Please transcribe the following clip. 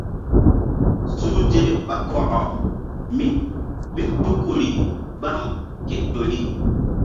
Suhze ɓa kɔkɔ míɓil tuku ri gbam ke ƴori.